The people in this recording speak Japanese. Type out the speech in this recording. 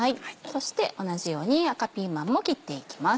そして同じように赤ピーマンも切っていきます。